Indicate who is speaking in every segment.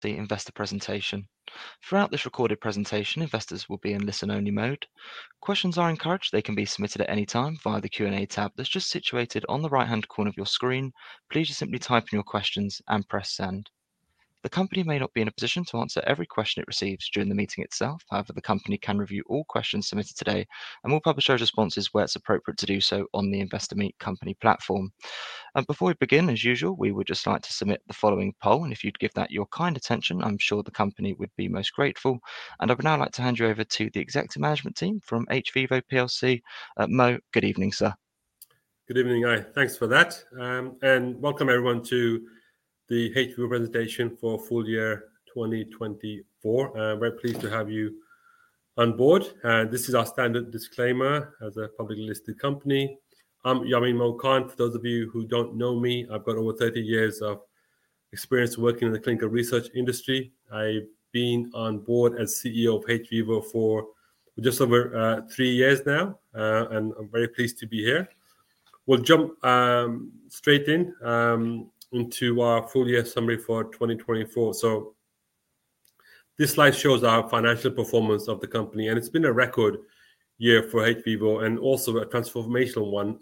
Speaker 1: The investor presentation. Throughout this recorded presentation, investors will be in listen-only mode. Questions are encouraged; they can be submitted at any time via the Q&A tab that's just situated on the right-hand corner of your screen. Please just simply type in your questions and press send. The company may not be in a position to answer every question it receives during the meeting itself. However, the company can review all questions submitted today and will publish those responses where it's appropriate to do so on the Investor Meet Company platform. Before we begin, as usual, we would just like to submit the following poll, and if you'd give that your kind attention, I'm sure the company would be most grateful. I would now like to hand you over to the Executive Management Team from hVIVO. Mo, good evening, sir.
Speaker 2: Good evening, Guy. Thanks for that. Welcome, everyone, to the hVIVO presentation for full year 2024. We're pleased to have you on board. This is our standard disclaimer as a publicly listed company. I'm Yamin Mo Khan. For those of you who don't know me, I've got over 30 years of experience working in the clinical research industry. I've been on board as CEO of hVIVO for just over three years now, and I'm very pleased to be here. We'll jump straight into our full year summary for 2024. This slide shows our financial performance of the company, and it's been a record year for hVIVO and also a transformational one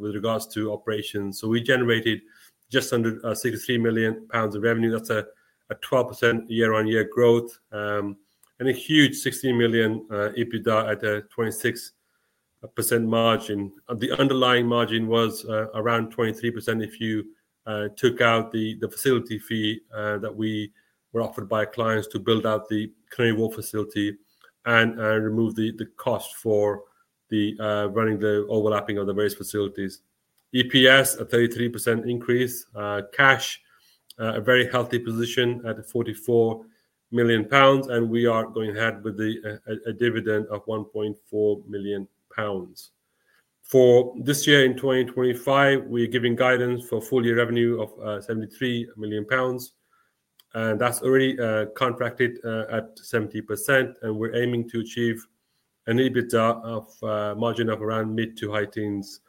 Speaker 2: with regards to operations. We generated just under 63 million pounds of revenue. That's a 12% year-on-year growth and a huge 16 million EBITDA at a 26% margin. The underlying margin was around 23% if you took out the facility fee that we were offered by clients to build out the clinical facility and remove the cost for running the overlapping of the various facilities. EPS, a 33% increase. Cash, a very healthy position at 44 million pounds, and we are going ahead with a dividend of 1.4 million pounds. For this year in 2025, we are giving guidance for full year revenue of 73 million pounds, and that's already contracted at 70%, and we're aiming to achieve an EBITDA margin of around mid to high teens.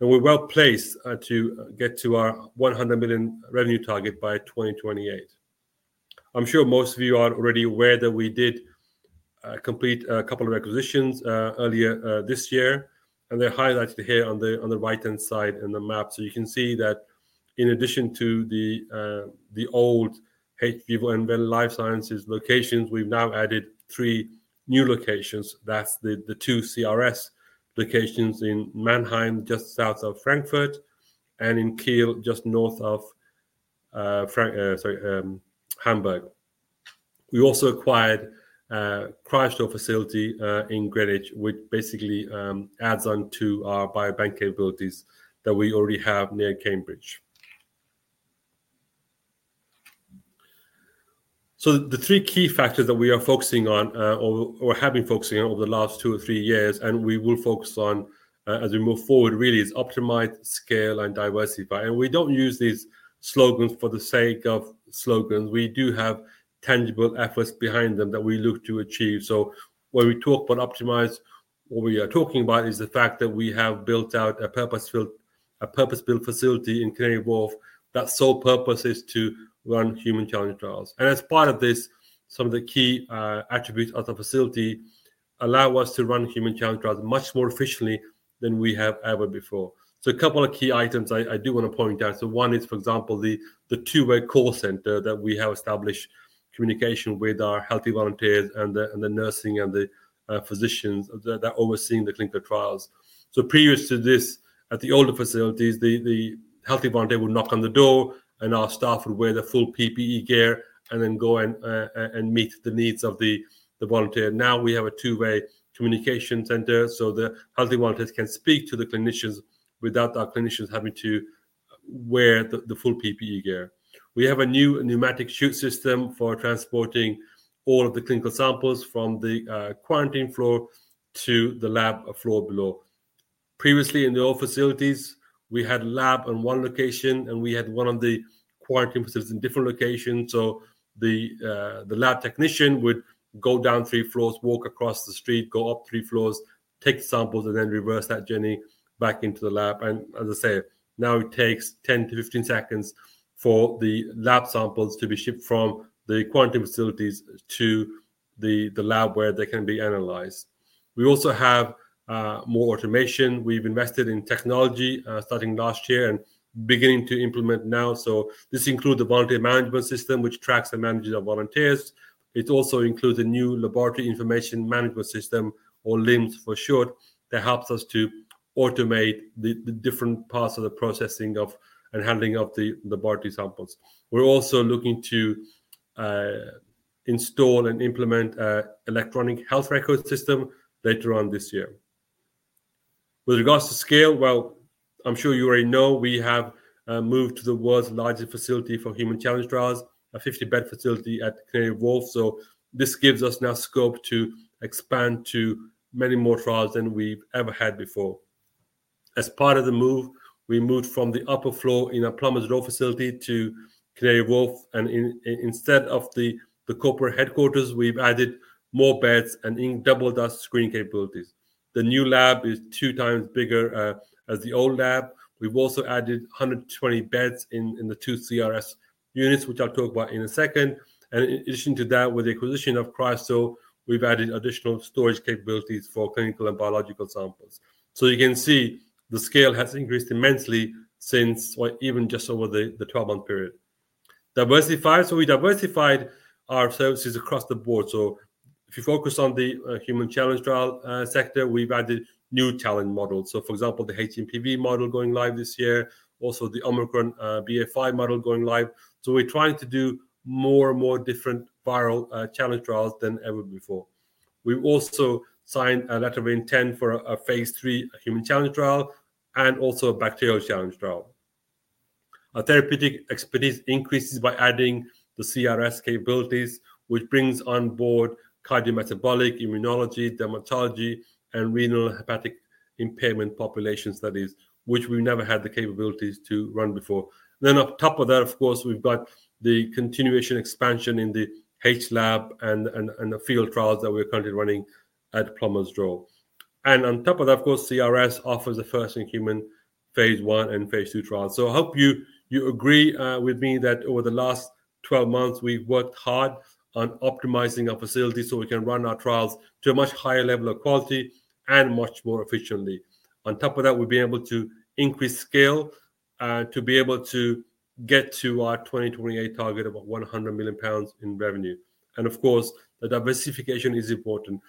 Speaker 2: We are well placed to get to our 100 million revenue target by 2028. I'm sure most of you are already aware that we did complete a couple of acquisitions earlier this year, and they're highlighted here on the right-hand side in the map. You can see that in addition to the old hVIVO and Venn Life Sciences locations, we've now added three new locations. That's the two CRS locations in Mannheim, just south of Frankfurt, and in Kiel, just north of Hamburg. We also acquired a Cryostore facility in Greenwich, which basically adds on to our biobank capabilities that we already have near Cambridge. The three key factors that we are focusing on or have been focusing on over the last two or three years, and we will focus on as we move forward, really, is optimize, scale, and diversify. We don't use these slogans for the sake of slogans. We do have tangible efforts behind them that we look to achieve. When we talk about optimize, what we are talking about is the fact that we have built out a purpose-built facility in Canary Wharf that's sole purpose is to run human challenge trials. As part of this, some of the key attributes of the facility allow us to run human challenge trials much more efficiently than we have ever before. A couple of key items I do want to point out. One is, for example, the two-way call center that we have established communication with our healthy volunteers and the nursing and the physicians that are overseeing the clinical trials. Previous to this, at the older facilities, the healthy volunteer would knock on the door, and our staff would wear the full PPE gear and then go and meet the needs of the volunteer. Now we have a two-way communication center so the healthy volunteers can speak to the clinicians without our clinicians having to wear the full PPE gear. We have a new pneumatic chute system for transporting all of the clinical samples from the quarantine floor to the lab floor below. Previously, in the old facilities, we had a lab on one location, and we had one of the quarantine facilities in different locations. The lab technician would go down three floors, walk across the street, go up three floors, take samples, and then reverse that journey back into the lab. As I say, now it takes 10-15 seconds for the lab samples to be shipped from the quarantine facilities to the lab where they can be analyzed. We also have more automation. We've invested in technology starting last year and beginning to implement now. This includes the volunteer management system, which tracks and manages our volunteers. It also includes a new laboratory information management system, or LIMS for short, that helps us to automate the different parts of the processing and handling of the laboratory samples. We're also looking to install and implement an electronic health record system later on this year. With regards to scale, you know, I'm sure you already know we have moved to the world's largest facility for human challenge trials, a 50-bed facility at Canary Wharf. This gives us now scope to expand to many more trials than we've ever had before. As part of the move, we moved from the upper floor in our Plumbers Row facility to Canary Wharf, and instead of the corporate headquarters, we've added more beds and doubled our screening capabilities. The new lab is two times bigger as the old lab. We've also added 120 beds in the two CRS units, which I'll talk about in a second. In addition to that, with the acquisition of Cryostore, we've added additional storage capabilities for clinical and biological samples. You can see the scale has increased immensely since or even just over the 12-month period. Diversified. We diversified our services across the board. If you focus on the human challenge trial sector, we've added new challenge models. For example, the HMPV model going live this year, also the Omicron BA.5 model going live. We're trying to do more and more different viral challenge trials than ever before. We've also signed a letter of intent for a phase three human challenge trial and also a bacterial challenge trial. Our therapeutic expertise increases by adding the CRS capabilities, which brings on board cardiometabolic, immunology, dermatology, and renal hepatic impairment population studies, which we never had the capabilities to run before. On top of that, of course, we've got the continuation expansion in the H lab and the field trials that we're currently running at Plumbers Row. On top of that, of course, CRS offers a first-in-human phase one and phase two trials. I hope you agree with me that over the last 12 months, we've worked hard on optimizing our facility so we can run our trials to a much higher level of quality and much more efficiently. On top of that, we've been able to increase scale to be able to get to our 2028 target of 100 million pounds in revenue. Of course, the diversification is important.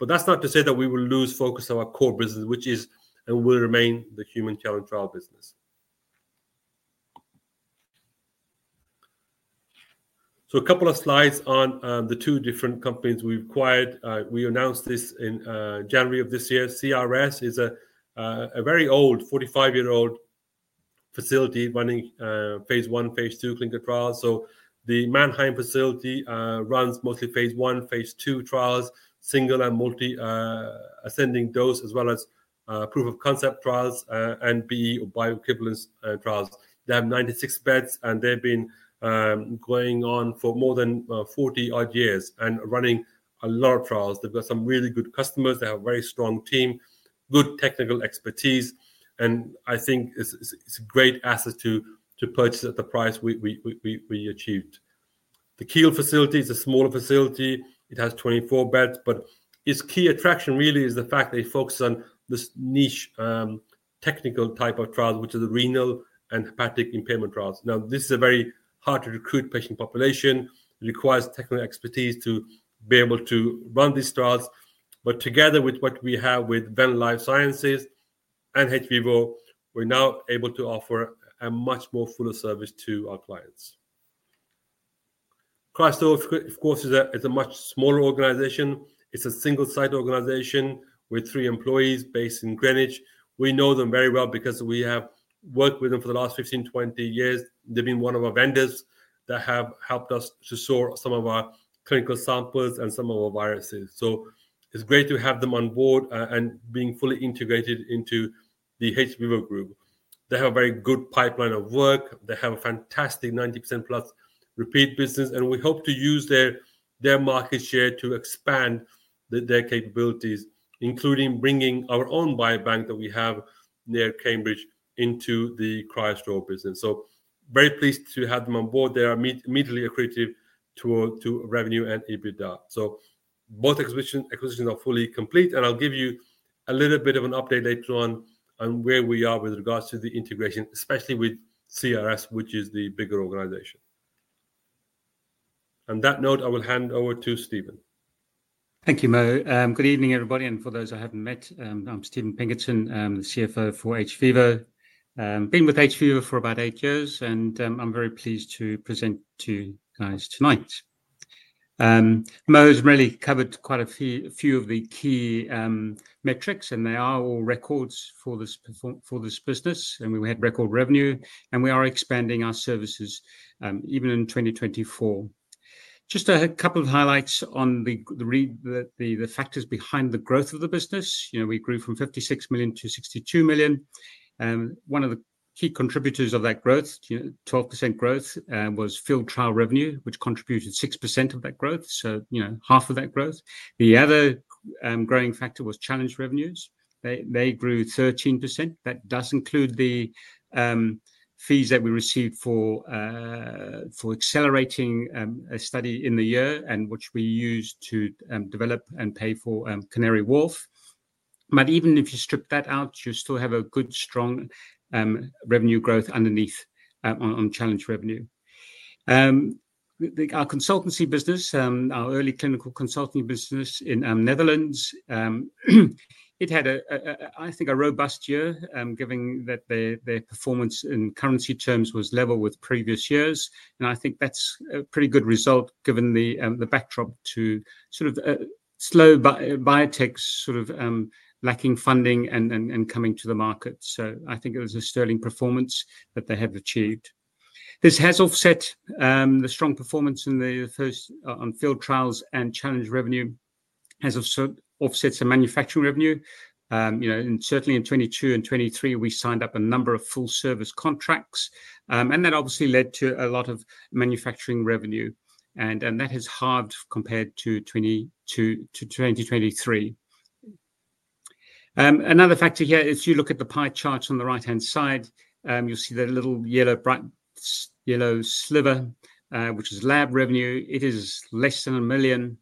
Speaker 2: That is not to say that we will lose focus of our core business, which is and will remain the human challenge trial business. A couple of slides on the two different companies we have acquired. We announced this in January of this year. CRS is a very old, 45-year-old facility running phase one, phase two clinical trials. The Mannheim facility runs mostly phase one, phase two trials, single and multi-ascending dose, as well as proof of concept trials and BE or bioequivalence trials. They have 96 beds, and they have been going on for more than 40 odd years and running a lot of trials. They have got some really good customers. They have a very strong team, good technical expertise, and I think it is a great asset to purchase at the price we achieved. The Kiel facility is a smaller facility. It has 24 beds, but its key attraction really is the fact that it focuses on this niche technical type of trials, which are the renal and hepatic impairment trials. Now, this is a very hard-to-recruit patient population. It requires technical expertise to be able to run these trials. Together with what we have with Venn Life Sciences and hVIVO, we're now able to offer a much more fuller service to our clients. Cryostore, of course, is a much smaller organization. It's a single-site organization with three employees based in Greenwich. We know them very well because we have worked with them for the last 15-20 years. They've been one of our vendors that have helped us to store some of our clinical samples and some of our viruses. It's great to have them on board and being fully integrated into the hVIVO group. They have a very good pipeline of work. They have a fantastic 90%+ repeat business, and we hope to use their market share to expand their capabilities, including bringing our own biobank that we have near Cambridge into the Cryostore business. Very pleased to have them on board. They are immediately accretive to revenue and EBITDA. Both acquisitions are fully complete, and I'll give you a little bit of an update later on where we are with regards to the integration, especially with CRS, which is the bigger organization. On that note, I will hand over to Stephen.
Speaker 3: Thank you, Mo. Good evening, everybody. For those who haven't met, I'm Stephen Pinkerton. I'm the CFO for hVIVO. I've been with hVIVO for about eight years, and I'm very pleased to present to you guys tonight. Mo has really covered quite a few of the key metrics, and they are all records for this business, and we had record revenue, and we are expanding our services even in 2024. Just a couple of highlights on the factors behind the growth of the business. We grew from 56 million to 62 million. One of the key contributors of that growth, 12% growth, was field trial revenue, which contributed 6% of that growth, so half of that growth. The other growing factor was challenge revenues. They grew 13%. That does include the fees that we received for accelerating a study in the year and which we used to develop and pay for Canary Wharf. Even if you strip that out, you still have a good, strong revenue growth underneath on challenge revenue. Our consultancy business, our early clinical consulting business in Netherlands, it had, I think, a robust year, given that their performance in currency terms was level with previous years. I think that's a pretty good result given the backdrop to sort of slow biotechs, sort of lacking funding and coming to the market. I think it was a sterling performance that they have achieved. This has offset the strong performance in the first on field trials and challenge revenue has offset some manufacturing revenue. Certainly in 2022 and 2023, we signed up a number of full-service contracts, and that obviously led to a lot of manufacturing revenue, and that has halved compared to 2023. Another factor here is you look at the pie charts on the right-hand side, you'll see the little yellow sliver, which is lab revenue. It is less than $1 million.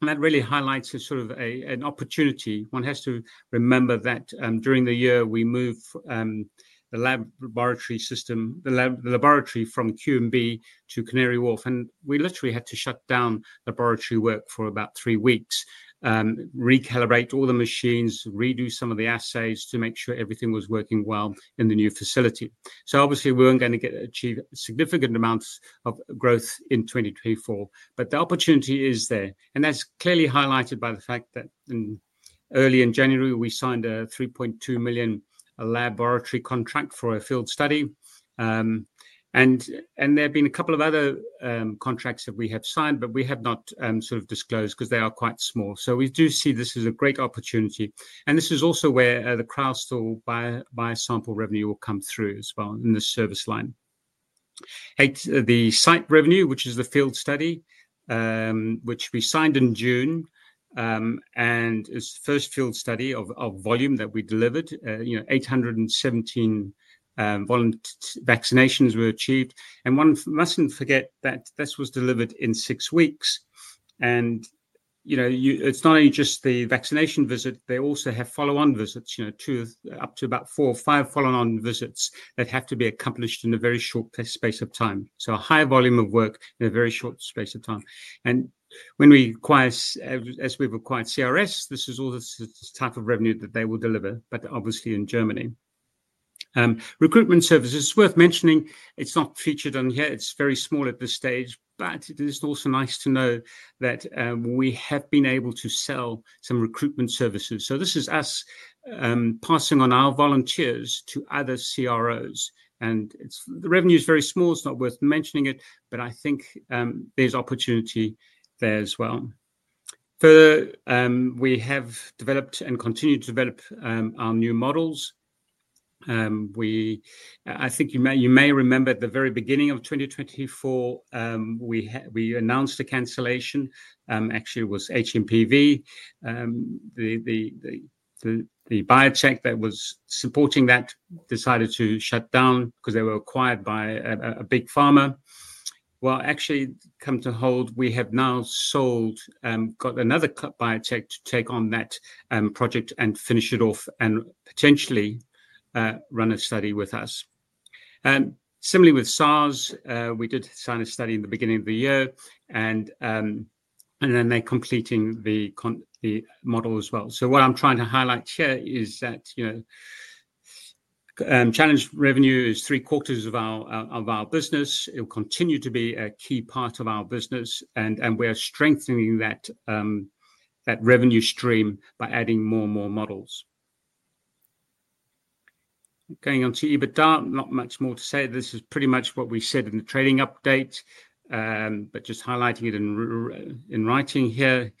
Speaker 3: That really highlights sort of an opportunity. One has to remember that during the year, we moved the laboratory system, the laboratory from QMB to Canary Wharf, and we literally had to shut down laboratory work for about three weeks, recalibrate all the machines, redo some of the assays to make sure everything was working well in the new facility. Obviously, we weren't going to achieve significant amounts of growth in 2024, but the opportunity is there. That is clearly highlighted by the fact that early in January, we signed a 3.2 million laboratory contract for a field study. There have been a couple of other contracts that we have signed, but we have not sort of disclosed because they are quite small. We do see this as a great opportunity. This is also where the Cryostore biosample revenue will come through as well in the service line. The site revenue, which is the field study, which we signed in June, and it is the first field study of volume that we delivered. 817 vaccinations were achieved. One mustn't forget that this was delivered in six weeks. It is not only just the vaccination visit. They also have follow-on visits, up to about four or five follow-on visits that have to be accomplished in a very short space of time. A high volume of work in a very short space of time. When we acquire, as we have acquired CRS, this is all the type of revenue that they will deliver, but obviously in Germany. Recruitment services, it is worth mentioning. It is not featured on here. It is very small at this stage, but it is also nice to know that we have been able to sell some recruitment services. This is us passing on our volunteers to other CROs. The revenue is very small. It is not worth mentioning it, but I think there is opportunity there as well. Further, we have developed and continue to develop our new models. I think you may remember at the very beginning of 2024, we announced a cancellation. Actually, it was HMPV. The biotech that was supporting that decided to shut down because they were acquired by a big pharma. Actually, come to hold, we have now sold, got another biotech to take on that project and finish it off and potentially run a study with us. Similarly, with SARS, we did sign a study in the beginning of the year, and then they're completing the model as well. What I'm trying to highlight here is that challenge revenue is three quarters of our business. It'll continue to be a key part of our business, and we're strengthening that revenue stream by adding more and more models. Going on to EBITDA, not much more to say. This is pretty much what we said in the trading update, but just highlighting it in writing here.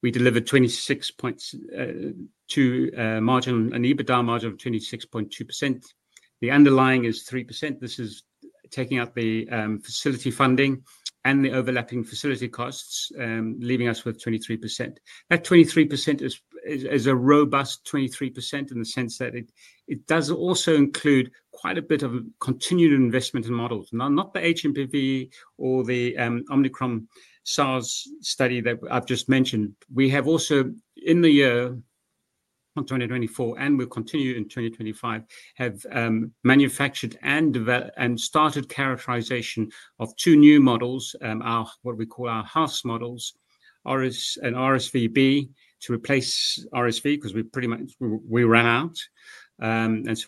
Speaker 3: We delivered 26.2% margin, an EBITDA margin of 26.2%. The underlying is 3%. This is taking out the facility funding and the overlapping facility costs, leaving us with 23%. That 23% is a robust 23% in the sense that it does also include quite a bit of continued investment in models. Not the HMPV or the Omicron SARS study that I've just mentioned. We have also in the year, not 2024, and we'll continue in 2025, have manufactured and started characterization of two new models, what we call our house models, an RSVB to replace RSV because we ran out. And so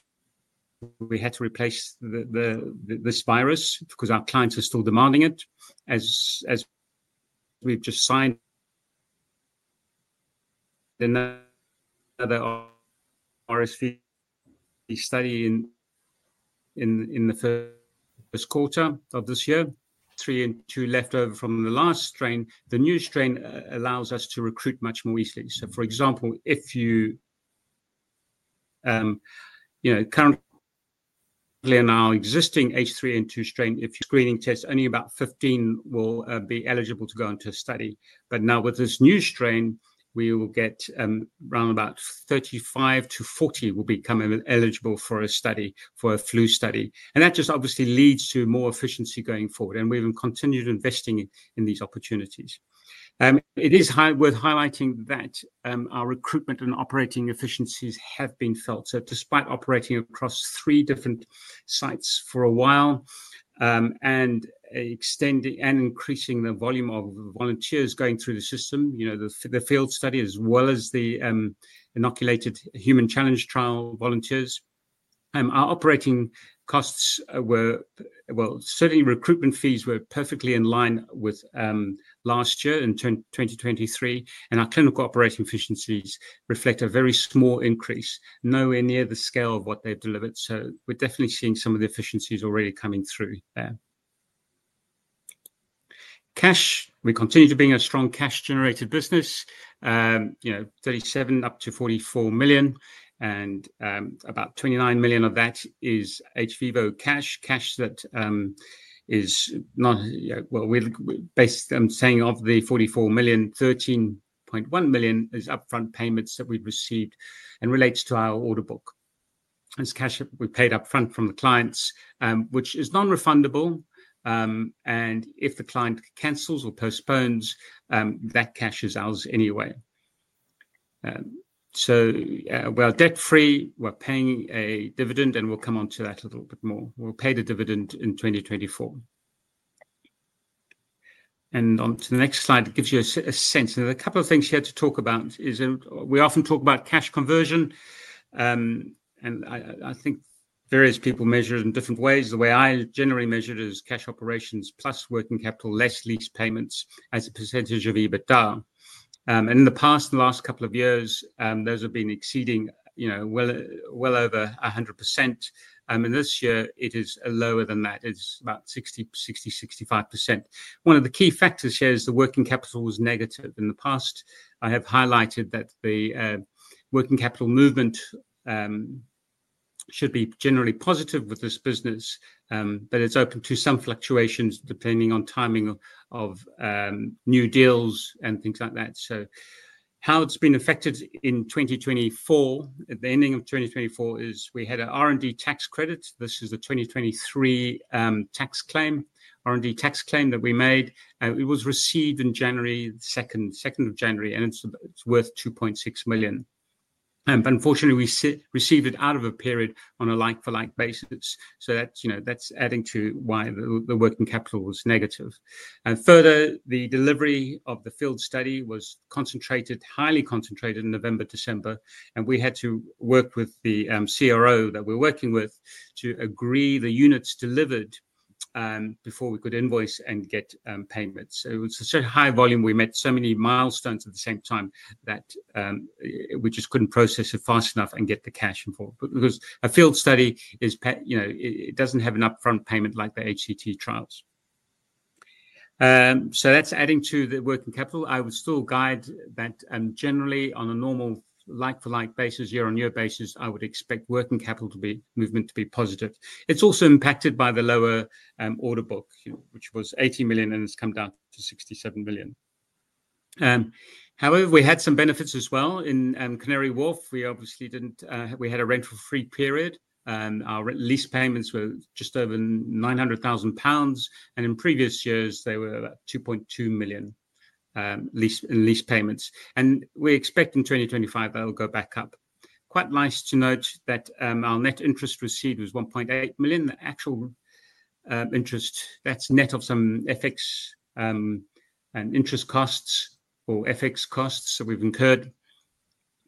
Speaker 3: we had to replace this virus because our clients are still demanding it. As we've just signed another RSV study in the first quarter of this year. Three and two left over from the last strain. The new strain allows us to recruit much more easily. For example, if you currently in our existing H3N2 strain, if screening tests, only about 15 will be eligible to go into a study. Now with this new strain, we will get around about 35-40 will become eligible for a study, for a flu study. That just obviously leads to more efficiency going forward. We have continued investing in these opportunities. It is worth highlighting that our recruitment and operating efficiencies have been felt. Despite operating across three different sites for a while and increasing the volume of volunteers going through the system, the field study, as well as the inoculated human challenge trial volunteers, our operating costs were, certainly recruitment fees were perfectly in line with last year in 2023. Our clinical operating efficiencies reflect a very small increase, nowhere near the scale of what they have delivered. We are definitely seeing some of the efficiencies already coming through there. Cash, we continue to be a strong cash-generated business, 37 million up to 44 million. About 29 million of that is hVIVO cash, cash that is not, based on saying of the 44 million, 13.1 million is upfront payments that we've received and relates to our order book. It's cash we paid upfront from the clients, which is non-refundable. If the client cancels or postpones, that cash is ours anyway. We are debt-free. We are paying a dividend, and we'll come on to that a little bit more. We'll pay the dividend in 2024. On to the next slide, it gives you a sense. There are a couple of things here to talk about. We often talk about cash conversion. I think various people measure it in different ways. The way I generally measure it is cash operations plus working capital, less lease payments as a percentage of EBITDA. In the past, in the last couple of years, those have been exceeding well over 100%. This year, it is lower than that. It is about 60-65%. One of the key factors here is the working capital was negative in the past. I have highlighted that the working capital movement should be generally positive with this business, but it is open to some fluctuations depending on timing of new deals and things like that. How it has been affected in 2024, at the ending of 2024, is we had an R&D tax credit. This is the 2023 tax claim, R&D tax claim that we made. It was received in January, 2nd of January, and it is worth 2.6 million. Unfortunately, we received it out of a period on a like-for-like basis. That is adding to why the working capital was negative. Further, the delivery of the field study was concentrated, highly concentrated in November, December. We had to work with the CRO that we're working with to agree the units delivered before we could invoice and get payments. It was such a high volume. We met so many milestones at the same time that we just couldn't process it fast enough and get the cash in for it. Because a field study, it doesn't have an upfront payment like the HCT trials. That is adding to the working capital. I would still guide that generally on a normal like-for-like basis, year-on-year basis, I would expect working capital movement to be positive. It is also impacted by the lower order book, which was 80 million, and it has come down to 67 million. However, we had some benefits as well in Canary Wharf. We obviously didn't have a rental-free period. Our lease payments were just over 900,000 pounds. In previous years, they were about 2.2 million in lease payments. We expect in 2025, they'll go back up. Quite nice to note that our net interest received was 1.8 million. The actual interest, that's net of some FX and interest costs or FX costs that we've incurred.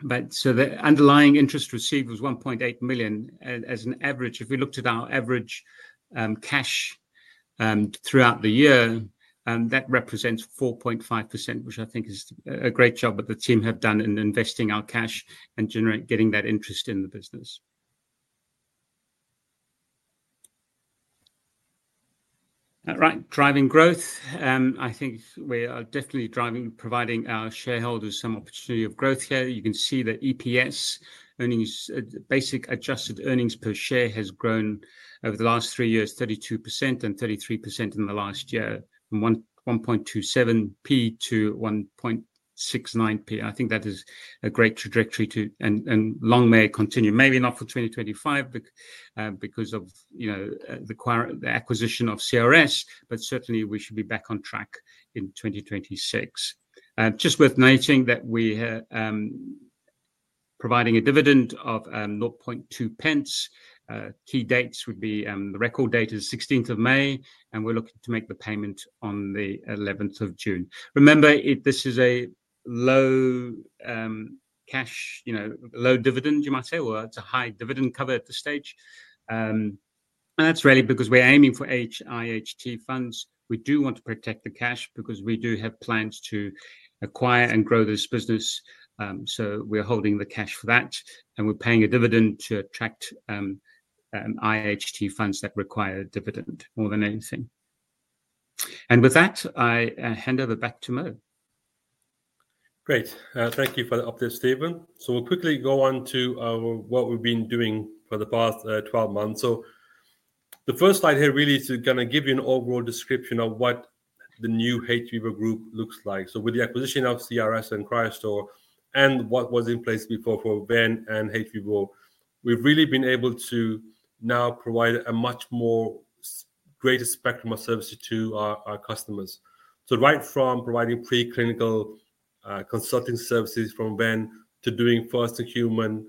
Speaker 3: The underlying interest received was 1.8 million as an average. If we looked at our average cash throughout the year, that represents 4.5%, which I think is a great job that the team have done in investing our cash and getting that interest in the business. Right, driving growth. I think we are definitely driving, providing our shareholders some opportunity of growth here. You can see that EPS, basic adjusted earnings per share, has grown over the last three years, 32% and 33% in the last year, from 1.27p to 1.69p. I think that is a great trajectory to, and long may continue. Maybe not for 2025 because of the acquisition of CRS, but certainly, we should be back on track in 2026. Just worth noting that we are providing a dividend of 0.002. Key dates would be the record date is 16th of May, and we're looking to make the payment on the 11th of June. Remember, this is a low cash, low dividend, you might say, or it's a high dividend cover at this stage. That is really because we're aiming for IHT funds. We do want to protect the cash because we do have plans to acquire and grow this business. We are holding the cash for that, and we're paying a dividend to attract IHT funds that require a dividend more than anything. With that, I hand over back to Mo. Great.
Speaker 2: Thank you for the update, Stephen. We'll quickly go on to what we've been doing for the past 12 months. The first slide here really is going to give you an overall description of what the new hVIVO Group looks like. With the acquisition of CRS and Cryostore and what was in place before for Venn and hVIVO, we've really been able to now provide a much more greater spectrum of services to our customers. Right from providing preclinical consulting services from Venn to doing first in human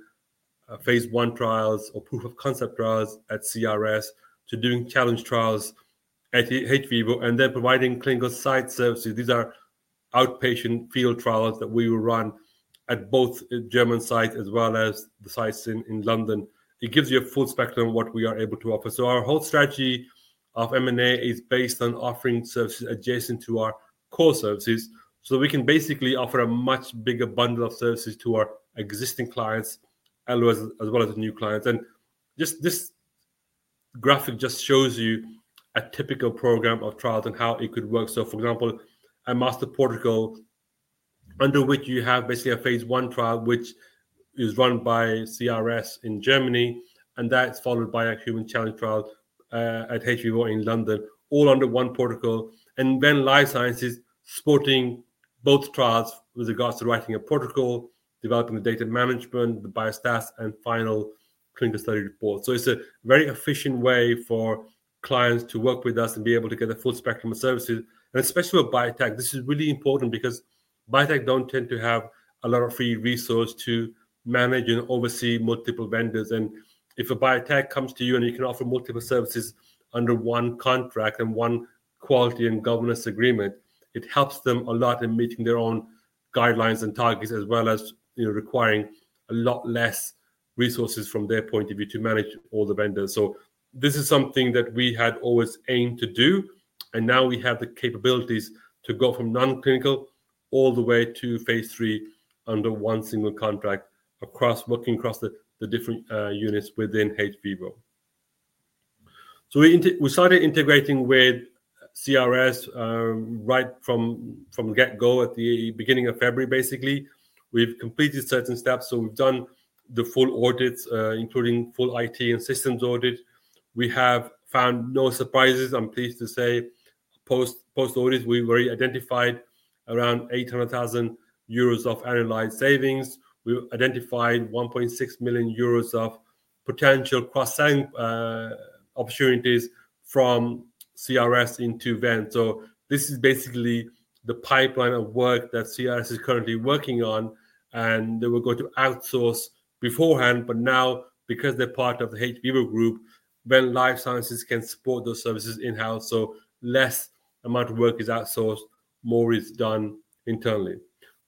Speaker 2: phase one trials or proof of concept trials at CRS to doing challenge trials at hVIVO and then providing clinical site services. These are outpatient field trials that we will run at both German sites as well as the sites in London. It gives you a full spectrum of what we are able to offer. Our whole strategy of M&A is based on offering services adjacent to our core services. We can basically offer a much bigger bundle of services to our existing clients, as well as new clients. This graphic just shows you a typical program of trials and how it could work. For example, a master protocol under which you have basically a phase one trial, which is run by CRS in Germany, and that's followed by a human challenge trial at hVIVO in London, all under one protocol. Venn Life Sciences supports both trials with regards to writing a protocol, developing the data management, the biostats, and final clinical study report. It's a very efficient way for clients to work with us and be able to get a full spectrum of services. Especially with biotech, this is really important because biotech do not tend to have a lot of free resources to manage and oversee multiple vendors. If a biotech comes to you and you can offer multiple services under one contract and one quality and governance agreement, it helps them a lot in meeting their own guidelines and targets, as well as requiring a lot less resources from their point of view to manage all the vendors. This is something that we had always aimed to do. Now we have the capabilities to go from non-clinical all the way to phase three under one single contract, working across the different units within hVIVO. We started integrating with CRS right from the get-go at the beginning of February, basically. We have completed certain steps. We have done the full audits, including full IT and systems audit. We have found no surprises, I'm pleased to say. Post-audit, we've already identified around 800,000 euros of analyzed savings. We've identified 1.6 million euros of potential cross-selling opportunities from CRS into Venn. This is basically the pipeline of work that CRS is currently working on, and they were going to outsource beforehand. Now, because they're part of the hVIVO Group, Venn Life Sciences can support those services in-house. Less amount of work is outsourced, more is done internally.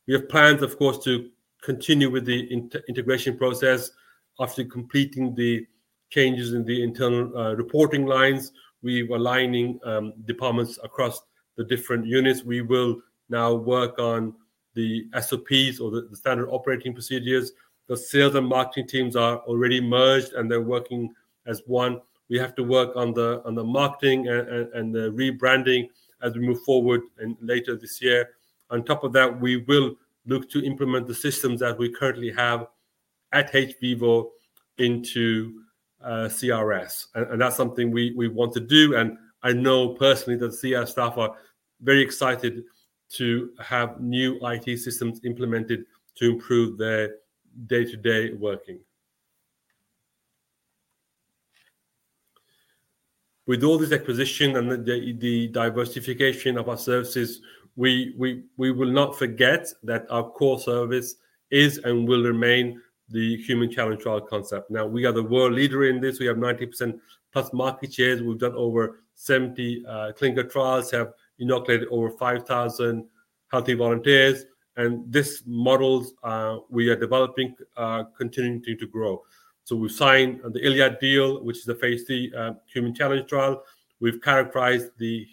Speaker 2: We have plans, of course, to continue with the integration process. After completing the changes in the internal reporting lines, we're aligning departments across the different units. We will now work on the SOPs or the standard operating procedures. The sales and marketing teams are already merged, and they're working as one. We have to work on the marketing and the rebranding as we move forward later this year. On top of that, we will look to implement the systems that we currently have at hVIVO into CRS. That is something we want to do. I know personally that CRS staff are very excited to have new IT systems implemented to improve their day-to-day working. With all this acquisition and the diversification of our services, we will not forget that our core service is and will remain the human challenge trial concept. We are the world leader in this. We have 90%+ market shares. We have done over 70 clinical trials, have inoculated over 5,000 healthy volunteers. This model we are developing is continuing to grow. We have signed the ILiAD deal, which is the phase three human challenge trial. We have characterized the human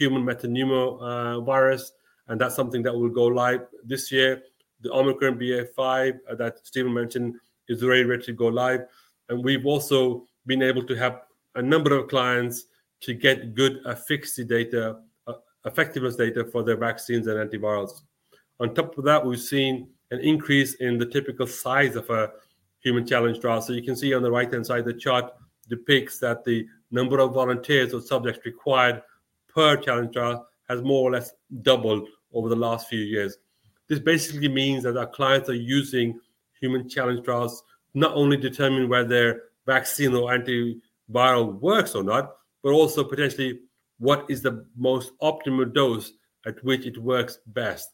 Speaker 2: metapneumovirus, and that is something that will go live this year. The Omicron BA.5 that Stephen mentioned is ready to go live. We have also been able to help a number of clients to get good efficacy data, effectiveness data for their vaccines and antivirals. On top of that, we have seen an increase in the typical size of a human challenge trial. You can see on the right-hand side, the chart depicts that the number of volunteers or subjects required per challenge trial has more or less doubled over the last few years. This basically means that our clients are using human challenge trials not only to determine whether their vaccine or antiviral works or not, but also potentially what is the most optimal dose at which it works best.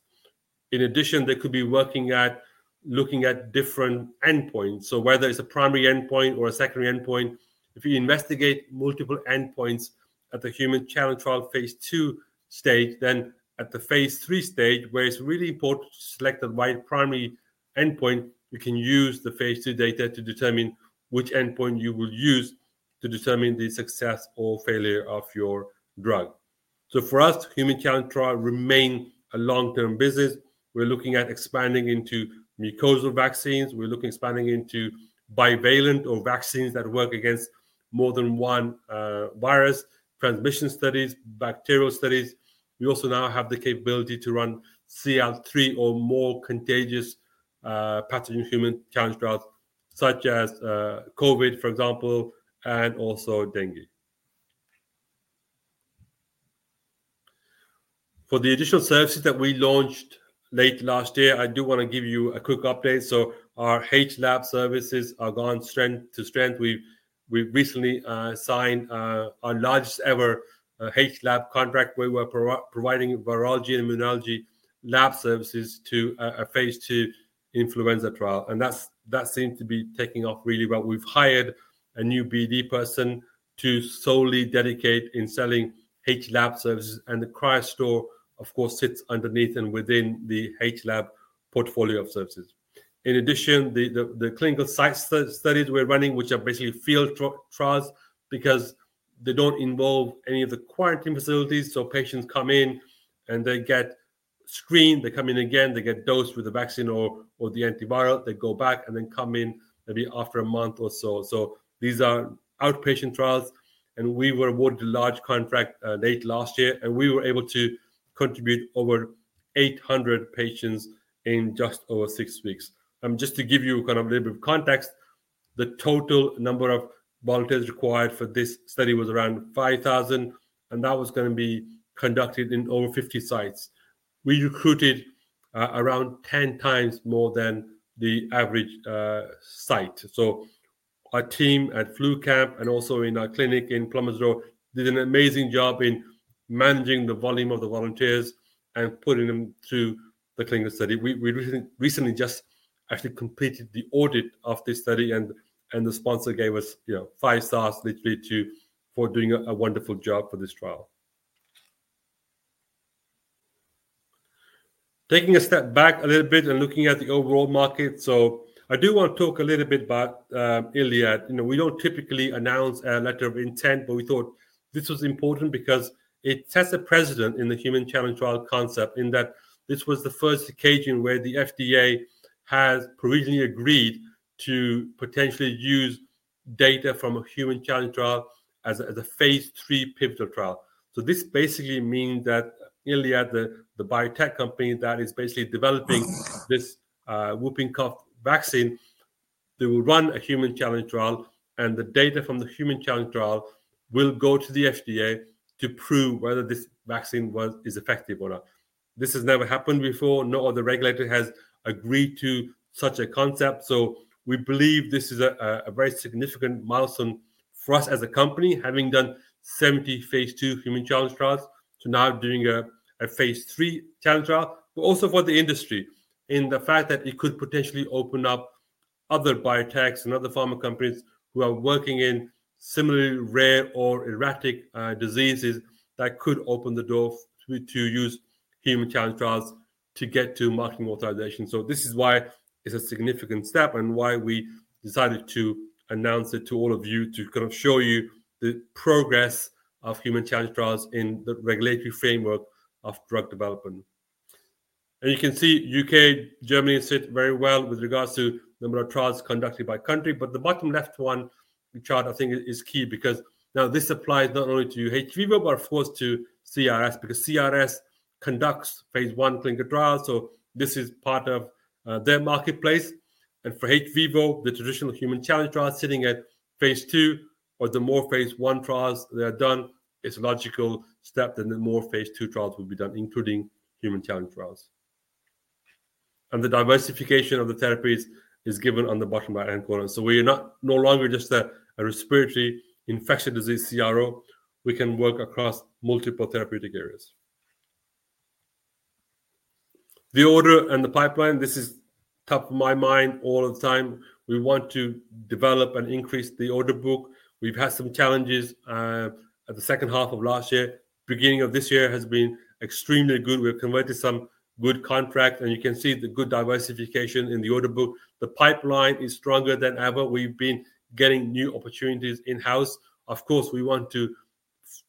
Speaker 2: In addition, they could be looking at different endpoints. Whether it's a primary endpoint or a secondary endpoint, if you investigate multiple endpoints at the human challenge trial phase two stage, then at the phase three stage, where it's really important to select the right primary endpoint, you can use the phase two data to determine which endpoint you will use to determine the success or failure of your drug. For us, human challenge trials remain a long-term business. We're looking at expanding into mucosal vaccines. We're looking at expanding into bivalent or vaccines that work against more than one virus, transmission studies, bacterial studies. We also now have the capability to run CL3 or more contagious pathogen human challenge trials, such as COVID, for example, and also dengue. For the additional services that we launched late last year, I do want to give you a quick update. Our HLAB services are going strength to strength. We've recently signed our largest ever HLAB contract where we're providing virology and immunology lab services to a phase two influenza trial. That seems to be taking off really well. We've hired a new BD person to solely dedicate to selling HLAB services. The Cryostore, of course, sits underneath and within the HLAB portfolio of services. In addition, the clinical site studies we're running, which are basically field trials, because they don't involve any of the quarantine facilities. Patients come in and they get screened. They come in again. They get dosed with the vaccine or the antiviral. They go back and then come in maybe after a month or so. These are outpatient trials. We were awarded a large contract late last year. We were able to contribute over 800 patients in just over six weeks. Just to give you kind of a little bit of context, the total number of volunteers required for this study was around 5,000. That was going to be conducted in over 50 sites. We recruited around 10 times more than the average site. Our team at FluCamp and also in our clinic in Plymouth Road did an amazing job in managing the volume of the volunteers and putting them through the clinical study. We recently just actually completed the audit of this study, and the sponsor gave us five stars, literally, for doing a wonderful job for this trial. Taking a step back a little bit and looking at the overall market, I do want to talk a little bit about ILiAD. We don't typically announce a letter of intent, but we thought this was important because it sets a precedent in the human challenge trial concept in that this was the first occasion where the FDA has provisionally agreed to potentially use data from a human challenge trial as a phase three pivotal trial. This basically means that ILiAD, the biotech company that is basically developing this whooping cough vaccine, they will run a human challenge trial, and the data from the human challenge trial will go to the FDA to prove whether this vaccine is effective or not. This has never happened before. No other regulator has agreed to such a concept. We believe this is a very significant milestone for us as a company, having done 70 phase two human challenge trials to now doing a phase three challenge trial, but also for the industry in the fact that it could potentially open up other biotechs and other pharma companies who are working in similarly rare or erratic diseases that could open the door to use human challenge trials to get to marketing authorization. This is why it is a significant step and why we decided to announce it to all of you to kind of show you the progress of human challenge trials in the regulatory framework of drug development. You can see U.K., Germany sit very well with regards to the number of trials conducted by country. The bottom left one chart, I think, is key because now this applies not only to hVIVO, but of course to CRS because CRS conducts phase one clinical trials. This is part of their marketplace. For hVIVO, the traditional human challenge trials sitting at phase two or the more phase one trials that are done, it's a logical step that more phase two trials will be done, including human challenge trials. The diversification of the therapies is given on the bottom right-hand corner. We're no longer just a respiratory infectious disease CRO. We can work across multiple therapeutic areas. The order and the pipeline, this is top of my mind all the time. We want to develop and increase the order book. We've had some challenges at the second half of last year. Beginning of this year has been extremely good. We've converted some good contracts, and you can see the good diversification in the order book. The pipeline is stronger than ever. We've been getting new opportunities in-house. Of course, we want to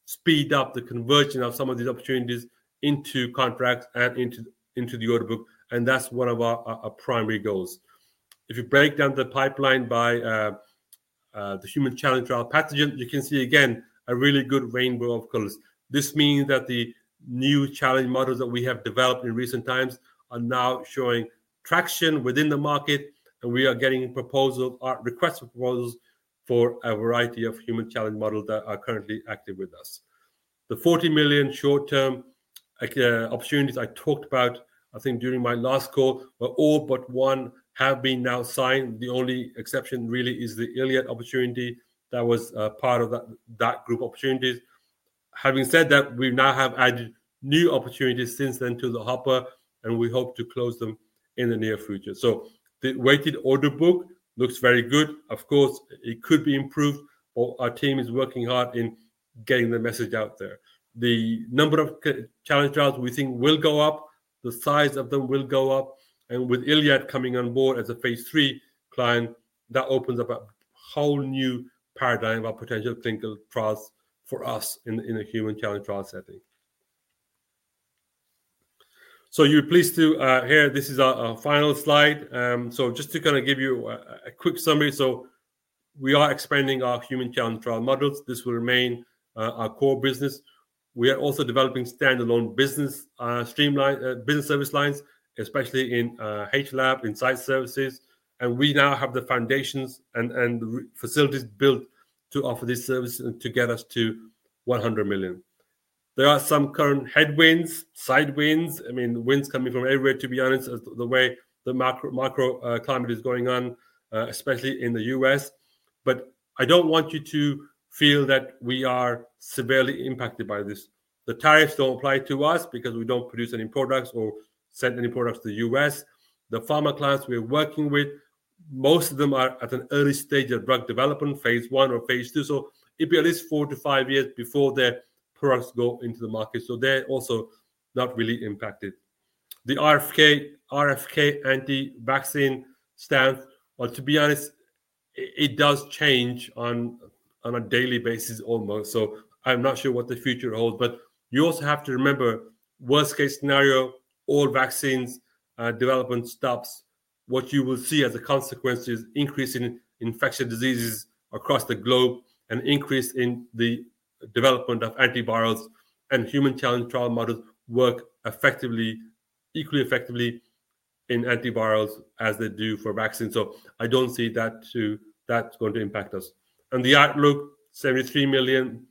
Speaker 2: speed up the conversion of some of these opportunities into contracts and into the order book. That's one of our primary goals. If you break down the pipeline by the human challenge trial pathogen, you can see again a really good rainbow of colors. This means that the new challenge models that we have developed in recent times are now showing traction within the market, and we are getting requests for proposals for a variety of human challenge models that are currently active with us. The 40 million short-term opportunities I talked about, I think during my last call, are all but one have been now signed. The only exception really is the ILiAD opportunity that was part of that group of opportunities. Having said that, we now have added new opportunities since then to the hopper, and we hope to close them in the near future. The weighted order book looks very good. Of course, it could be improved, but our team is working hard in getting the message out there. The number of challenge trials we think will go up. The size of them will go up. With ILiAD coming on board as a phase three client, that opens up a whole new paradigm of potential clinical trials for us in a human challenge trial setting. You're pleased to hear this is our final slide. Just to kind of give you a quick summary, we are expanding our human challenge trial models. This will remain our core business. We are also developing standalone business service lines, especially in HLAB, inside services. We now have the foundations and facilities built to offer these services and to get us to $100 million. There are some current headwinds, sidewinds. I mean, winds coming from everywhere, to be honest, the way the macro climate is going on, especially in the U.S. I don't want you to feel that we are severely impacted by this. The tariffs don't apply to us because we don't produce any products or send any products to the U.S. The pharma clients we're working with, most of them are at an early stage of drug development, phase one or phase two. It'll be at least four to five years before their products go into the market. They're also not really impacted. The RFK anti-vaccine stance, to be honest, it does change on a daily basis almost. I am not sure what the future holds. You also have to remember, worst-case scenario, all vaccines development stops. What you will see as a consequence is increasing infectious diseases across the globe and increase in the development of antivirals. Human challenge trial models work equally effectively in antivirals as they do for vaccines. I do not see that going to impact us. The outlook, 73 million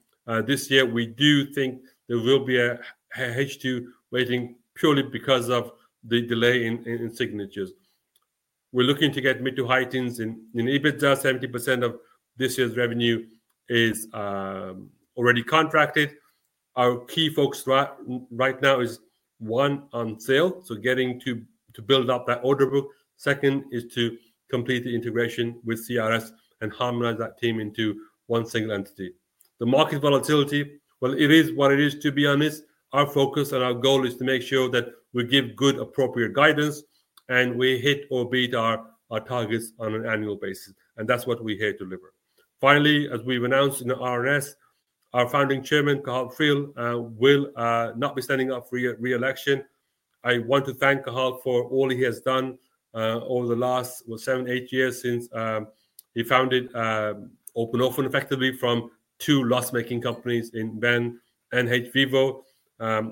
Speaker 2: this year. We do think there will be a H2 waiting purely because of the delay in signatures. We are looking to get mid to high teens in EBITDA. 70% of this year's revenue is already contracted. Our key focus right now is one on sale. Getting to build up that order book. Second is to complete the integration with CRS and harmonize that team into one single entity. The market volatility, it is what it is, to be honest. Our focus and our goal is to make sure that we give good, appropriate guidance, and we hit or beat our targets on an annual basis. That is what we here deliver. Finally, as we have announced in the R&S, our founding chairman, Cathal Friel, will not be standing up for re-election. I want to thank Cathal for all he has done over the last seven, eight years since he founded Open Orphan, effectively from two loss-making companies in Venn and hVIVO.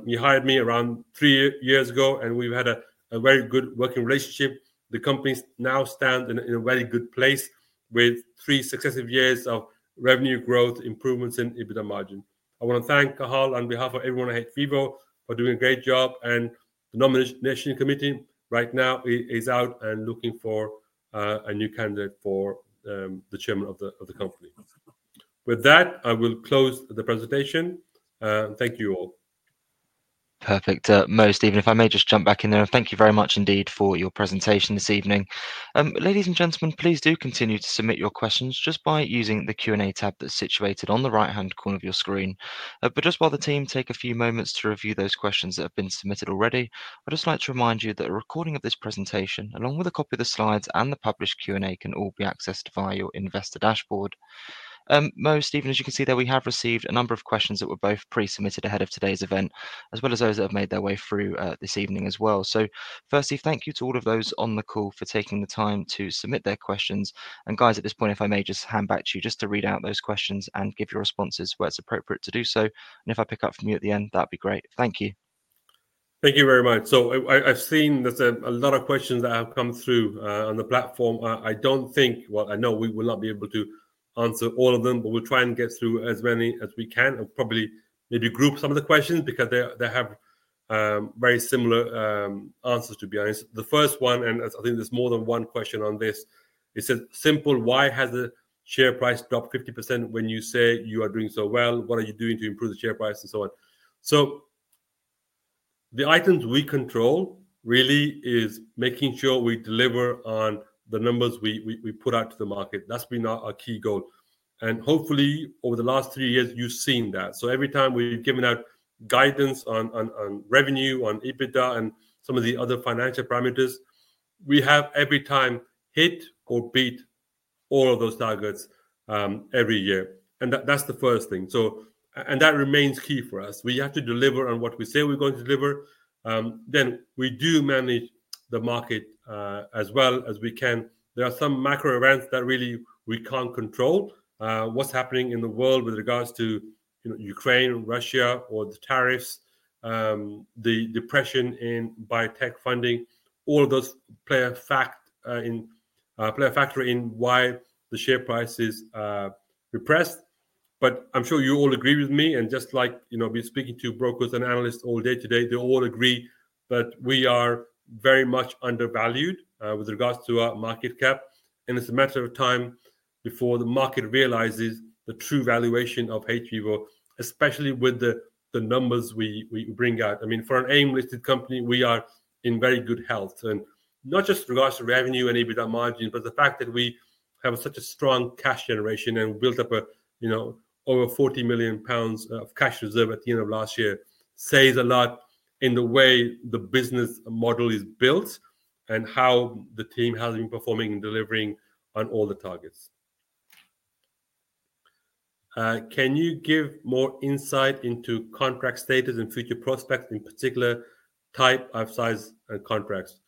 Speaker 2: He hired me around three years ago, and we have had a very good working relationship. The companies now stand in a very good place with three successive years of revenue growth, improvements in EBITDA margin. I want to thank Cathal Friel on behalf of everyone at hVIVO for doing a great job. The nomination committee right now is out and looking for a new candidate for the Chairman of the company. With that, I will close the presentation. Thank you all. Perfect. Mo, Stephen, if I may just jump back in there. Thank you very much indeed for your presentation this evening. Ladies and gentlemen, please do continue to submit your questions just by using the Q&A tab that's situated on the right-hand corner of your screen. Just while the team take a few moments to review those questions that have been submitted already, I'd just like to remind you that a recording of this presentation, along with a copy of the slides and the published Q&A, can all be accessed via your investor dashboard. Most, Stephen, as you can see there, we have received a number of questions that were both pre-submitted ahead of today's event, as well as those that have made their way through this evening as well. Firstly, thank you to all of those on the call for taking the time to submit their questions. Guys, at this point, if I may just hand back to you just to read out those questions and give your responses where it is appropriate to do so. If I pick up from you at the end, that would be great. Thank you.
Speaker 3: Thank you very much. I have seen there is a lot of questions that have come through on the platform. I don't think, I know we will not be able to answer all of them, but we'll try and get through as many as we can and probably maybe group some of the questions because they have very similar answers, to be honest. The first one, and I think there's more than one question on this, it says, "Simple, why has the share price dropped 50% when you say you are doing so well? What are you doing to improve the share price?" and so on. The items we control really is making sure we deliver on the numbers we put out to the market. That's been our key goal. Hopefully, over the last three years, you've seen that. Every time we've given out guidance on revenue, on EBITDA, and some of the other financial parameters, we have every time hit or beat all of those targets every year. That is the first thing. That remains key for us. We have to deliver on what we say we're going to deliver. We do manage the market as well as we can. There are some macro events that really we can't control. What's happening in the world with regards to Ukraine, Russia, or the tariffs, the depression in biotech funding, all of those play a factor in why the share price is repressed. I'm sure you all agree with me. Just like speaking to brokers and analysts all day today, they all agree that we are very much undervalued with regards to our market cap. It is a matter of time before the market realizes the true valuation of hVIVO, especially with the numbers we bring out. I mean, for an A-rated company, we are in very good health. Not just in regards to revenue and EBITDA margin, but the fact that we have such a strong cash generation and built up over 40 million pounds of cash reserve at the end of last year says a lot in the way the business model is built and how the team has been performing and delivering on all the targets. Can you give more insight into contract status and future prospects, in particular type of size contracts?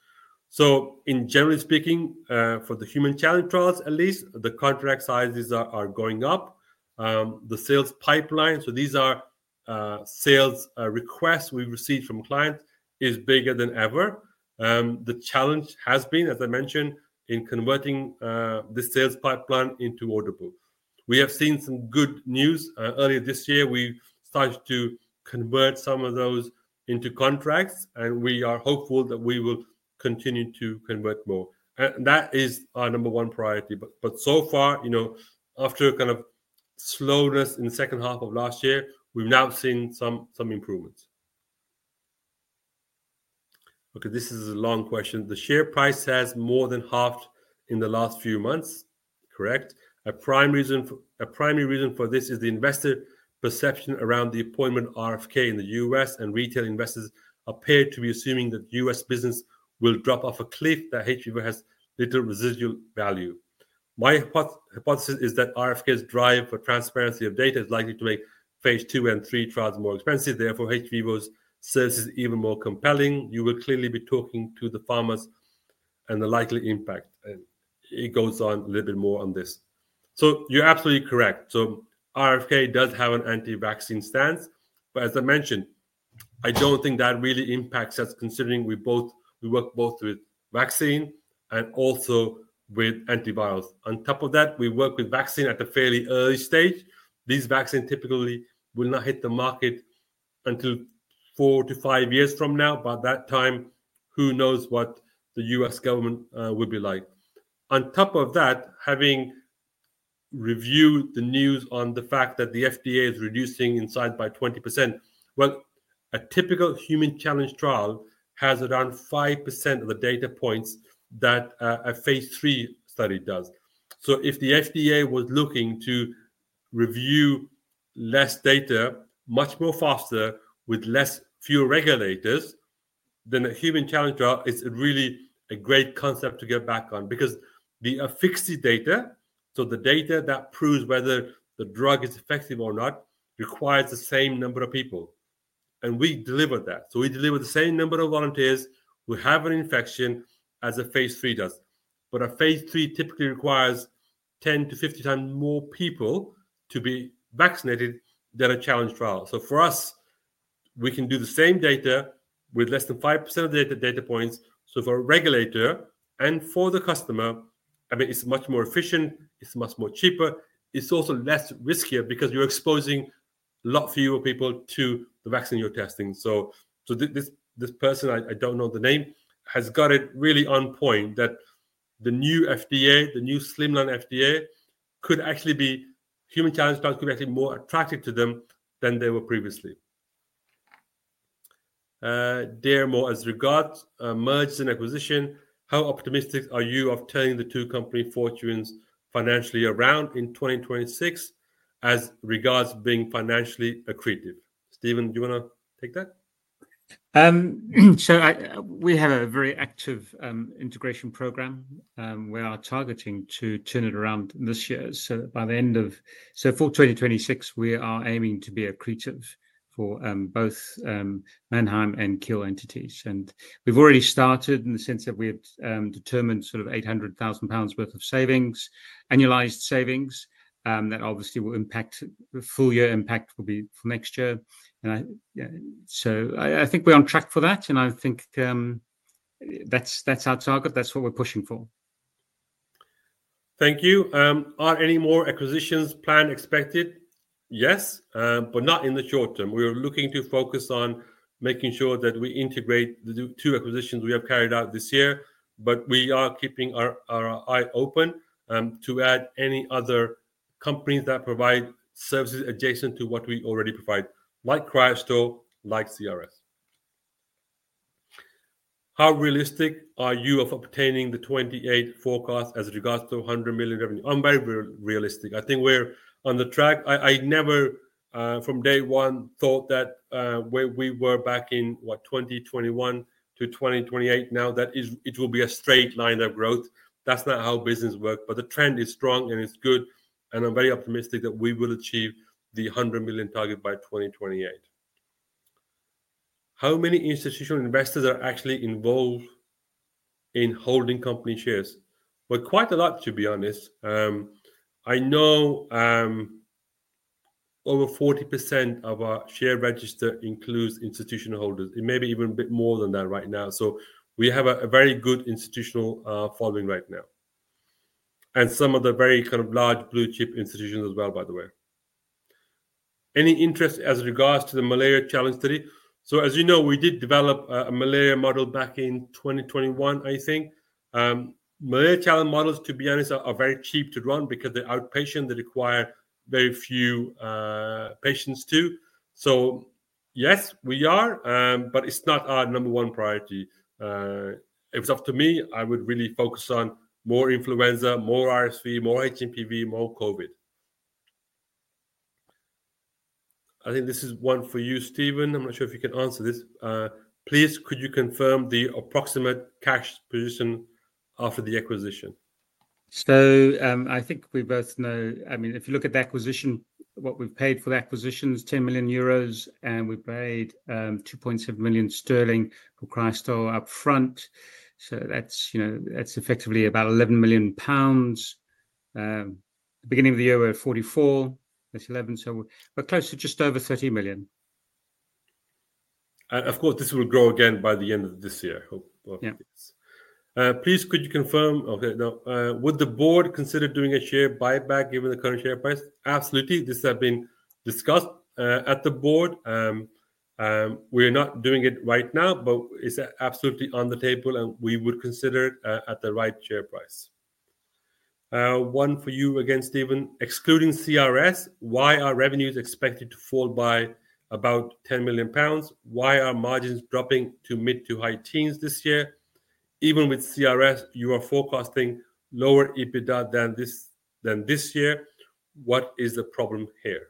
Speaker 3: Generally speaking, for the human challenge trials at least, the contract sizes are going up. The sales pipeline, so these are sales requests we have received from clients, is bigger than ever. The challenge has been, as I mentioned, in converting the sales pipeline into order book. We have seen some good news. Earlier this year, we started to convert some of those into contracts, and we are hopeful that we will continue to convert more. That is our number one priority. So far, after kind of slowness in the second half of last year, we've now seen some improvements. Okay, this is a long question. The share price has more than halved in the last few months, correct? A primary reason for this is the investor perception around the appointment of RFK in the U.S., and retail investors appear to be assuming that U.S. business will drop off a cliff, that hVIVO has little residual value. My hypothesis is that RFK's drive for transparency of data is likely to make phase two and three trials more expensive. Therefore, hVIVO's service is even more compelling. You will clearly be talking to the farmers and the likely impact. It goes on a little bit more on this. You are absolutely correct. RFK does have an anti-vaccine stance. As I mentioned, I do not think that really impacts us considering we work both with vaccine and also with antivirals. On top of that, we work with vaccine at a fairly early stage. These vaccines typically will not hit the market until four to five years from now. By that time, who knows what the U.S. government will be like. On top of that, having reviewed the news on the fact that the FDA is reducing insights by 20%, a typical human challenge trial has around 5% of the data points that a phase three study does. If the FDA was looking to review less data, much more faster, with fewer regulators, then a human challenge trial is really a great concept to get back on because the efficacy data, so the data that proves whether the drug is effective or not, requires the same number of people. And we deliver that. We deliver the same number of volunteers who have an infection as a phase III does. A phase III typically requires 10-50 times more people to be vaccinated than a challenge trial. For us, we can do the same data with less than 5% of the data points. For a regulator and for the customer, I mean, it's much more efficient. It's much more cheaper. It's also less riskier because you're exposing a lot fewer people to the vaccine you're testing. This person, I don't know the name, has got it really on point that the new FDA, the new Slimline FDA, could actually be human challenge trials could be actually more attractive to them than they were previously. Dear Mo, as regards mergers and acquisitions, how optimistic are you of turning the two company fortunes financially around in 2026 as regards being financially accretive? Stephen, do you want to take that? We have a very active integration program. We are targeting to turn it around this year. By the end of, for 2026, we are aiming to be accretive for both Mannheim and Kiel entities. We have already started in the sense that we have determined sort of 800,000 pounds worth of savings, annualized savings that obviously will impact full year impact will be for next year. I think we're on track for that. I think that's our target. That's what we're pushing for.
Speaker 2: Thank you. Are any more acquisitions planned or expected? Yes, but not in the short term. We are looking to focus on making sure that we integrate the two acquisitions we have carried out this year. We are keeping our eye open to add any other companies that provide services adjacent to what we already provide, like Cryostore, like CRS. How realistic are you of obtaining the 2028 forecasts as regards to 100 million revenue? I'm very realistic. I think we're on the track. I never, from day one, thought that where we were back in, what, 2021 to 2028, now that it will be a straight line of growth. That's not how business works. The trend is strong and it's good. I am very optimistic that we will achieve the 100 million target by 2028. How many institutional investors are actually involved in holding company shares? Quite a lot, to be honest. I know over 40% of our share register includes institutional holders. It may be even a bit more than that right now. We have a very good institutional following right now. Some of the very kind of large blue chip institutions as well, by the way. Any interest as regards to the malaria challenge study? As you know, we did develop a malaria model back in 2021, I think. Malaria challenge models, to be honest, are very cheap to run because they're outpatient. They require very few patients too. Yes, we are, but it's not our number one priority. If it's up to me, I would really focus on more influenza, more RSV, more HMPV, more COVID. I think this is one for you, Stephen. I'm not sure if you can answer this. Please, could you confirm the approximate cash position after the acquisition?
Speaker 3: I think we both know, I mean, if you look at the acquisition, what we've paid for the acquisition is 10 million euros, and we paid 2.7 million sterling for Cryostore upfront. That's effectively about 11 million pounds. At the beginning of the year, we were at 44 million. We're close to just over 30 million.
Speaker 2: Of course, this will grow again by the end of this year. I hope. Please, could you confirm, okay, no, would the board consider doing a share buyback given the current share price? Absolutely. This has been discussed at the board. We are not doing it right now, but it's absolutely on the table, and we would consider it at the right share price. One for you again, Stephen. Excluding CRS, why are revenues expected to fall by about 10 million pounds? Why are margins dropping to mid to high teens this year? Even with CRS, you are forecasting lower EBITDA than this year. What is the problem here?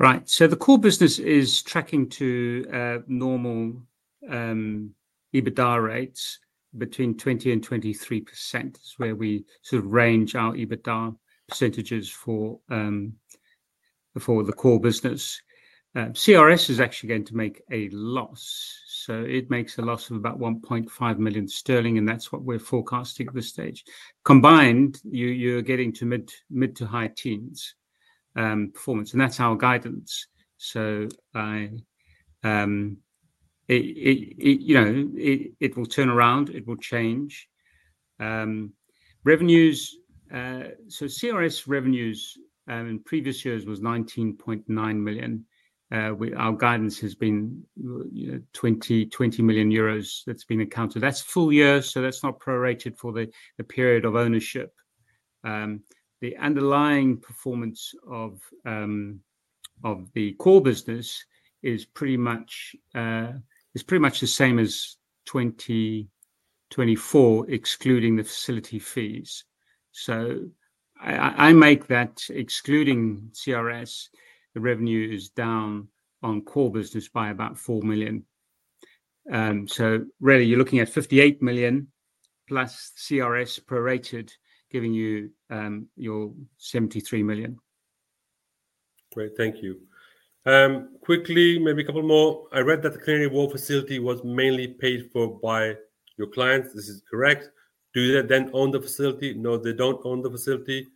Speaker 3: Right. The core business is tracking to normal EBITDA rates between 20-23% is where we sort of range our EBITDA percentages for the core business. CRS is actually going to make a loss. It makes a loss of about 1.5 million sterling, and that's what we're forecasting at this stage. Combined, you're getting to mid to high teens performance. That's our guidance. It will turn around. It will change. Revenues, so CRS revenues in previous years was 19.9 million. Our guidance has been 20 million euros that's been accounted. That's full year, so that's not prorated for the period of ownership. The underlying performance of the core business is pretty much the same as 2024, excluding the facility fees. I make that excluding CRS, the revenue is down on core business by about 4 million. You are really looking at 58 million plus CRS prorated, giving you your 73 million.
Speaker 2: Great. Thank you. Quickly, maybe a couple more. I read that the Canary Wharf facility was mainly paid for by your clients. This is correct. Do they then own the facility? No, they do not own the facility.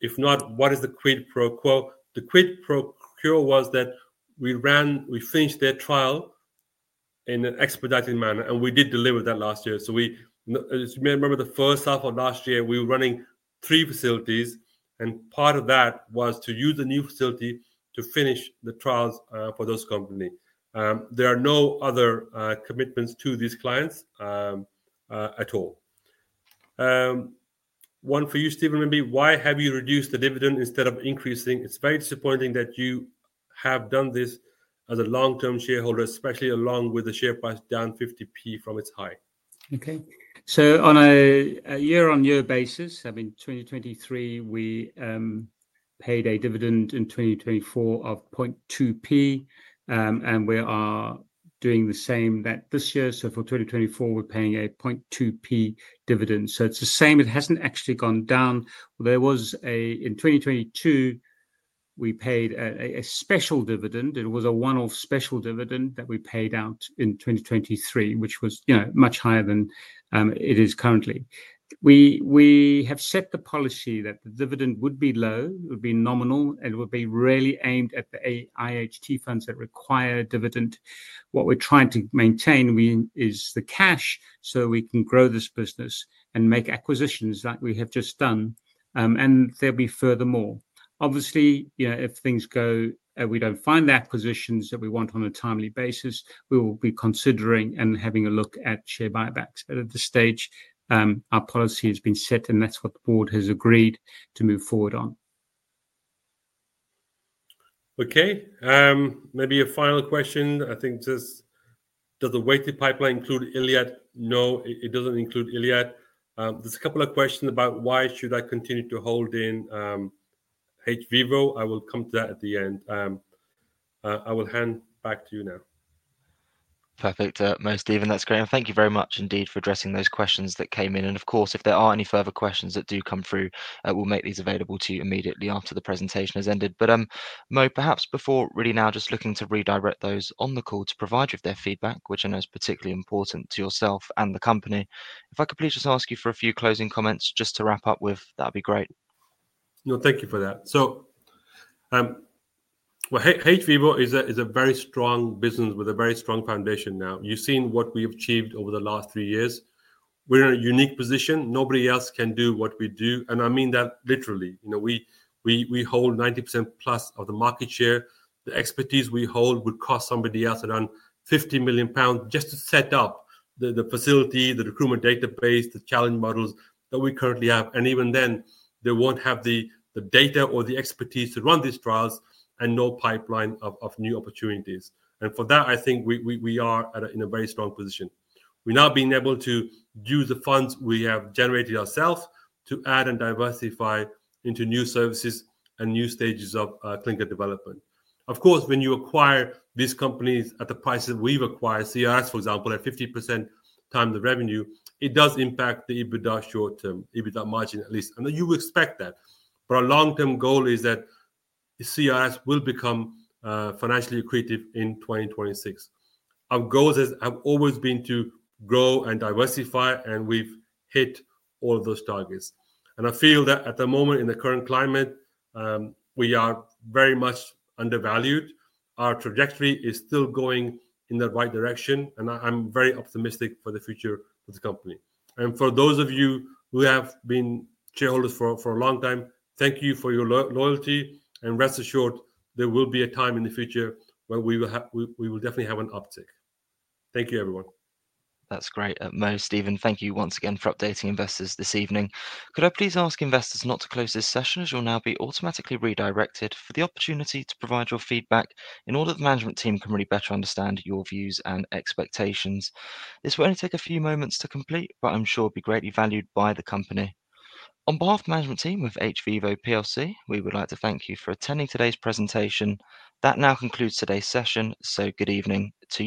Speaker 2: If not, what is the quid pro quo? The quid pro quo was that we finished their trial in an expedited manner, and we did deliver that last year. You may remember the first half of last year, we were running three facilities, and part of that was to use the new facility to finish the trials for those companies. There are no other commitments to these clients at all. One for you, Stephen, maybe. Why have you reduced the dividend instead of increasing? It's very disappointing that you have done this as a long-term shareholder, especially along with the share price down 0.50 from its high.
Speaker 3: Okay. On a year-on-year basis, I mean, 2023, we paid a dividend in 2024 of 0.002, and we are doing the same this year. For 2024, we're paying a 0.002 dividend. It's the same. It hasn't actually gone down. In 2022, we paid a special dividend. It was a one-off special dividend that we paid out in 2023, which was much higher than it is currently. We have set the policy that the dividend would be low. It would be nominal, and it would be really aimed at the IHT funds that require dividend. What we're trying to maintain is the cash so we can grow this business and make acquisitions like we have just done, and there'll be furthermore. Obviously, if things go and we don't find the acquisitions that we want on a timely basis, we will be considering and having a look at share buybacks. At this stage, our policy has been set, and that's what the board has agreed to move forward on.
Speaker 2: Okay. Maybe a final question. I think just does the waiting pipeline include ILiAD? No, it doesn't include ILiAD. There's a couple of questions about why should I continue to hold in hVIVO. I will come to that at the end. I will hand back to you now.
Speaker 1: Perfect. No, Stephen, that's great. And thank you very much indeed for addressing those questions that came in. Of course, if there are any further questions that do come through, we'll make these available to you immediately after the presentation has ended. Mo, perhaps before really now just looking to redirect those on the call to provide you with their feedback, which I know is particularly important to yourself and the company. If I could please just ask you for a few closing comments just to wrap up with, that would be great.
Speaker 2: No, thank you for that. hVIVO is a very strong business with a very strong foundation now. You've seen what we've achieved over the last three years. We're in a unique position. Nobody else can do what we do. I mean that literally. We hold 90%+ of the market share. The expertise we hold would cost somebody else around 50 million pounds just to set up the facility, the recruitment database, the challenge models that we currently have. Even then, they won't have the data or the expertise to run these trials and no pipeline of new opportunities. For that, I think we are in a very strong position. We are now being able to use the funds we have generated ourselves to add and diversify into new services and new stages of clinical development. Of course, when you acquire these companies at the prices we have acquired, CRS, for example, at 50% of the revenue, it does impact the EBITDA short-term, EBITDA margin at least. You would expect that. Our long-term goal is that CRS will become financially accretive in 2026. Our goals have always been to grow and diversify, and we have hit all of those targets. I feel that at the moment, in the current climate, we are very much undervalued. Our trajectory is still going in the right direction, and I'm very optimistic for the future of the company. For those of you who have been shareholders for a long time, thank you for your loyalty. Rest assured, there will be a time in the future where we will definitely have an uptick. Thank you, everyone.
Speaker 1: That's great. Mo, Stephen, thank you once again for updating investors this evening. Could I please ask investors not to close this session as you'll now be automatically redirected for the opportunity to provide your feedback in order that the management team can really better understand your views and expectations? This will only take a few moments to complete, but I'm sure it will be greatly valued by the company. On behalf of the management team with hVIVO, we would like to thank you for attending today's presentation. That now concludes today's session. Good evening to.